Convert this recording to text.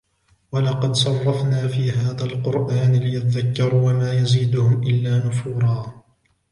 ولقد صرفنا في هذا القرآن ليذكروا وما يزيدهم إلا نفورا